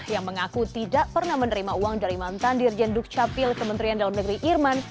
yang mengaku tidak pernah menerima uang dari mantan dirjen dukcapil kementerian dalam negeri irman